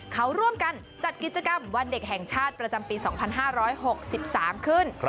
เขาร่วมกันจัดกิจกรรมวันเด็กแห่งชาติประจำปี๒๕๖๓ขึ้น